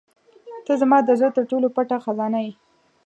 • ته زما د زړه تر ټولو پټه خزانه یې.